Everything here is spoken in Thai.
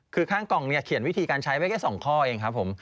คือข้างกล่องเขียนวิธีการใช้เพราะแค่สองข้อเองครับผม